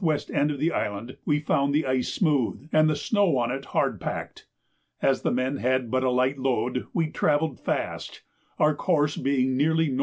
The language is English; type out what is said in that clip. W. end of the island, we found the ice smooth, and the snow on it hard packed. As the men had but a light load we travelled fast, our course being nearly N.W.